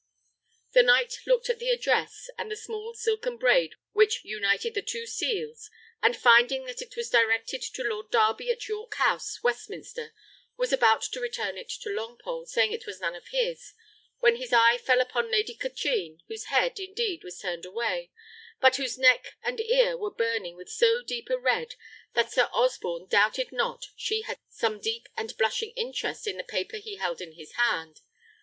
The knight looked at the address, and the small silken braid which united the two seals; and finding that it was directed to Lord Darby at York House, Westminster, was about to return it to Longpole, saying it was none of his, when his eye fell upon Lady Katrine, whose head, indeed, was turned away, but whose neck and ear were burning with so deep a red, that Sir Osborne doubted not she had some deep and blushing interest in the paper he held in his hand.